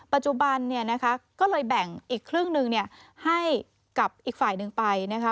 ปัจจุบันเนี่ยนะคะก็เลยแบ่งอีกครึ่งหนึ่งให้กับอีกฝ่ายหนึ่งไปนะคะ